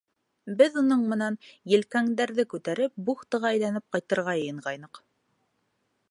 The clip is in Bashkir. Беҙ уның менән елкәңдәрҙе күтәреп, бухтаға әйләнеп ҡайтырға йыйынғайныҡ.